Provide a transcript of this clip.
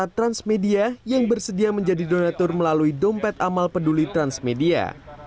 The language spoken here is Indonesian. ada transmedia yang bersedia menjadi donatur melalui dompet amal peduli transmedia